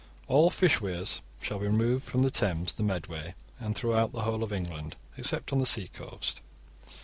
(33) All fish weirs shall be removed from the Thames, the Medway, and throughout the whole of England, except on the sea coast.